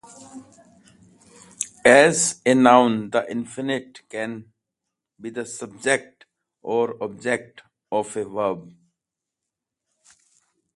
As a noun, the infinitive can be the subject or object of a verb.